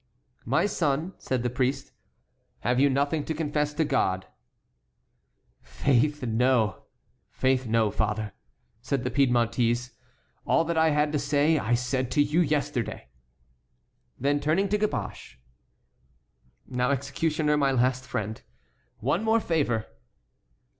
"My son," said the priest, "have you nothing to confess to God?" "Faith no, father," said the Piedmontese; "all that I had to say I said to you yesterday." Then turning to Caboche: "Now, executioner, my last friend, one more favor!"